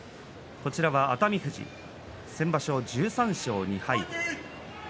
こちらは熱海富士先場所、１３勝２敗。